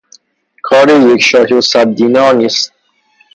کار یک شاهی و صد دینار نیست.